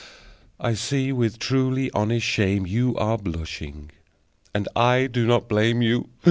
(I see with truly honest shame you Are blushing, and I do not blame you.